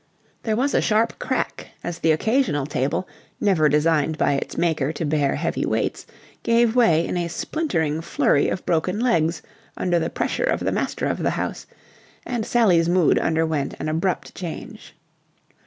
There was a sharp crack as the occasional table, never designed by its maker to bear heavy weights, gave way in a splintering flurry of broken legs under the pressure of the master of the house: and Sally's mood underwent an abrupt change.